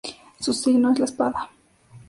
Su signo es la espada.